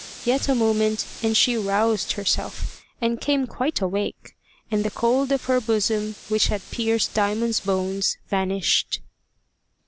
Yet a moment, and she roused herself, and came quite awake; and the cold of her bosom, which had pierced Diamond's bones, vanished.